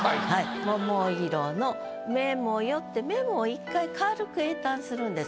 「桃色のメモよ」ってメモを１回軽く詠嘆するんです。